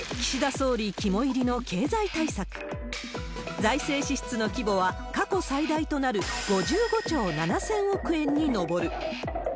財政支出の規模は過去最大となる５５兆７０００億円にのぼる。